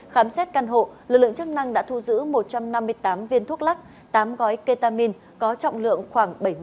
khám xét căn hộ lực lượng chức năng đã thu giữ một trăm năm mươi tám viên thuốc lắc tám gói ketamin có trọng lượng khoảng bảy mươi